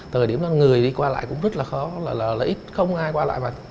thời điểm là người đi qua lại cũng rất là khó là ít không ai qua lại